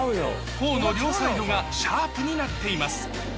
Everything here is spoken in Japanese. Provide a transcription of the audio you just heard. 頬の両サイドがシャープになっています